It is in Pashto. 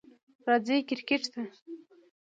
راځئ کریکټ ته!